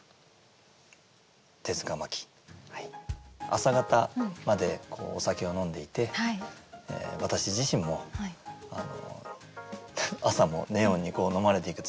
朝方までお酒を飲んでいて私自身も朝のネオンに呑まれていく。